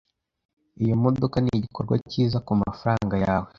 Iyo modoka nigikorwa cyiza kumafaranga yawe.